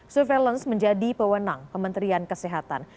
surveillance menjadi pewenang kementerian kesehatan